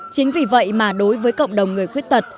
chính vì vậy mà đối với cộng đồng người khuyết tật